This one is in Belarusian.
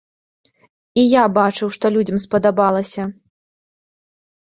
І я бачыў, што людзям спадабалася.